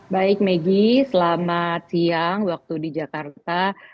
baik maggie selamat siang waktu di jakarta